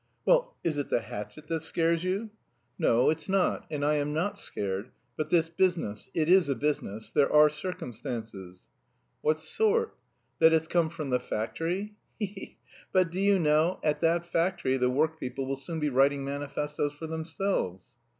"Well, is it the hatchet that scares you?" "No, it's not... and I am not scared; but this business... it is a business; there are circumstances." "What sort? That it's come from the factory? He he! But do you know, at that factory the workpeople will soon be writing manifestoes for themselves."